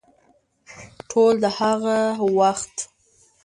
ټول د هغه وخت